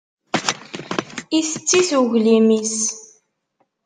Itett-it uglim-is.